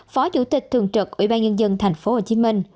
phó chủ tịch thường trực ủy ban nhân dân tp hcm